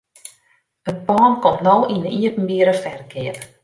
It pân komt no yn 'e iepenbiere ferkeap.